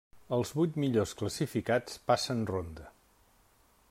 Els vuit millors classificats passen ronda.